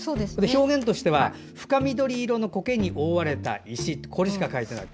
表現としては「深緑色の苔に覆われた石」とこれしか書いてない。